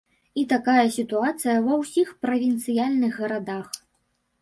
І такая сітуацыя ва ўсіх правінцыяльных гарадах.